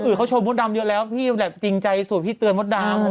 คนอื่นเขาโชว์มดดำเยอะแล้วพี่แบบจริงใจส่วนพี่เตือนมดดำ